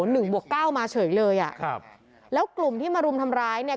หนึ่งบวกเก้ามาเฉยเลยอ่ะครับแล้วกลุ่มที่มารุมทำร้ายเนี่ย